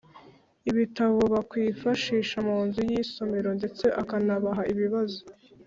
ibitabo bakwifashisha mu nzu y’isomero ndetse akanabaha ibibazo